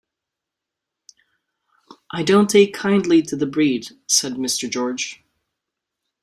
"I don't take kindly to the breed," said Mr. George.